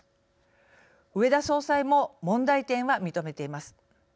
植田総裁も問題点は認めています。